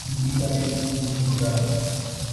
বিদায়, বন্ধুরা।